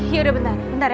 yaudah bentar bentar ya